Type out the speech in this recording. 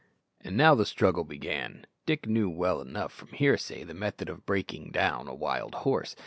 And now the struggle began. Dick knew well enough, from hearsay, the method of "breaking down" a wild horse.